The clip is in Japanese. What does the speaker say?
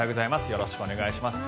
よろしくお願いします。